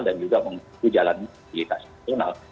dan juga menghubungi jalan mobilitas nasional